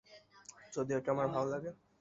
যদিও আমার এটা ভালো লাগে।